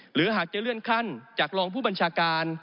หรือหากจะเลื่อนขั้นจากรองผู้บัญชาการ